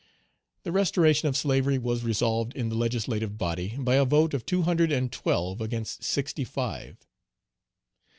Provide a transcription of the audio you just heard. The restoration of slavery was resolved in the legislative body by a vote of two hundred and twelve against sixty five.